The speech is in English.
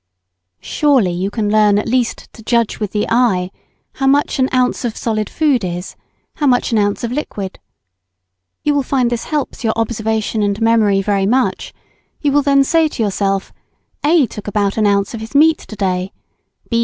Surely you can learn at least to judge with the eye how much an oz. of solid food is, how much an oz. of liquid. You will find this helps your observation and memory very much, you will then say to yourself, "A. took about an oz. of his meat to day;" "B.